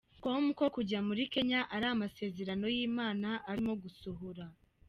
com ko kujya muri Kenya ari amasezerano y'Imana arimo gusohora.